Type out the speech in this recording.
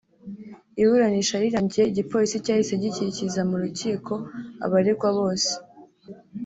Iburanisha rirangiye igipolisi cyahise gikikiza mu rukiko abaregwa bose